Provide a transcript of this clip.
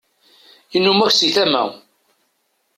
inumak si tama